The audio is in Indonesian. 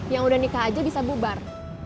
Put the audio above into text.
yang udah nikah aja bisa bubar